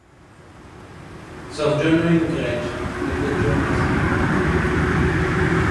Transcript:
Soggiornò in Grecia e viaggiò in Asia Minore.